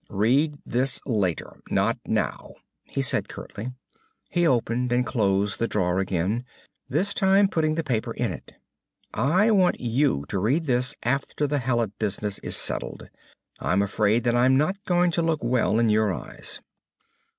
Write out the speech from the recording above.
"Read this later. Not now," he said curtly. He opened and closed the drawer again, this time putting the paper in it. "I want you to read this after the Hallet business is settled. I'm afraid that I'm not going to look well in your eyes."